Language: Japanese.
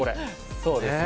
そうですね。